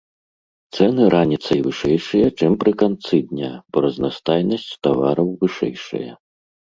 Цэны раніцай вышэйшыя, чым пры канцы дня, бо разнастайнасць тавараў вышэйшая.